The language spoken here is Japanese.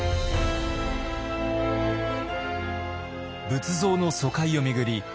仏像の疎開を巡り